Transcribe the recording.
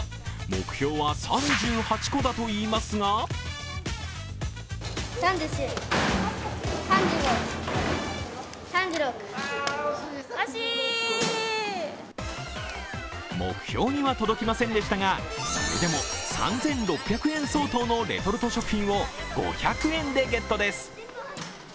目標は３８個だといいますが目標には届きませんでしたがそれでも３６００円相当のレトルト食品を５００円でゲットです